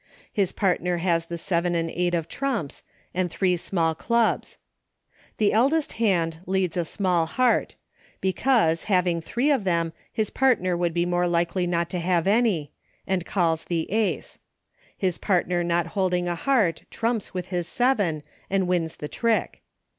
His partner has the seven and eight of trumps, and three small clubs. The eldest hand leads a small heart, — because, having three of them, his partner would be more likely not to have any — and calls the Ace. His partner not holding a heart, trumps with the seven, and wins the trick.